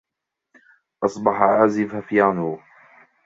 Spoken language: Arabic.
أصبح عازف بيانو.